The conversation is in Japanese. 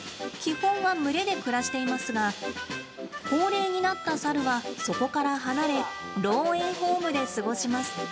基本は群れで暮らしていますが高齢になったサルはそこから離れ老猿ホームで過ごします。